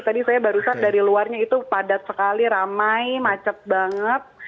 tadi saya barusan dari luarnya itu padat sekali ramai macet banget